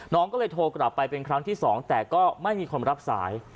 น้องก็เลยโทรกลับไปเป็นครั้งที่๒แต่ก็ไม่มีคนรับสาย